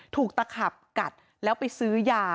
ตะขับกัดแล้วไปซื้อยา